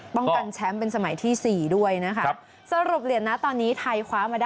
ป้องกันแชมป์เป็นสมัยที่๔ด้วยนะคะ